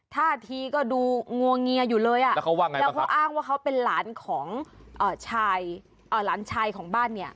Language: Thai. ท่าทีก็ดูงวงเงียอยู่เลยอ่ะแล้วเขาว่าไงแล้วเขาอ้างว่าเขาเป็นหลานของชายหลานชายของบ้านเนี่ย